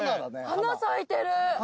花咲いてる。